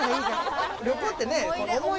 旅行ってね。